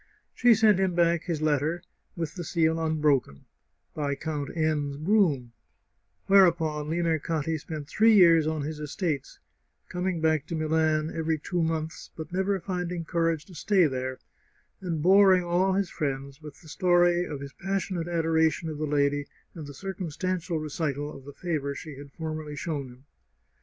She sent him back his letter, with the seal unbroken, by Count N 's groom; whereupon Limercati spent three years on his estates, com ing back to Milan every two months, but never finding cour age to stay there, and boring all his friends with the story of his passionate adoration of the lady and the circumstantial recital of the favour she had formerly shown him.